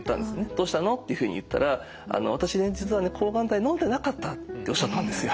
「どうしたの？」っていうふうに言ったら「私ね実はね抗がん剤のんでなかった」っておっしゃったんですよ。